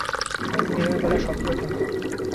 দিনের বেলা সক্রিয় থাকে।